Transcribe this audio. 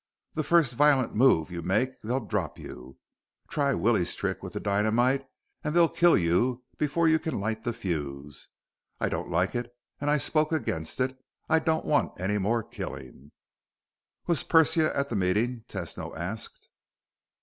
The first violent move you make, they'll drop you. Try Willie's trick with the dynamite, and they'll kill you before you can light the fuse. I don't like it and I spoke against it. I don't want any more killing." "Was Persia at the meeting?" Tesno asked.